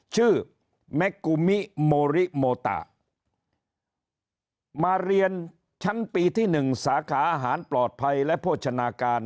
ชื่อแม็กกุมิโมริโมตะมาเรียนชั้นปีที่หนึ่งสาขาอาหารปลอดภัยและโภชนาการ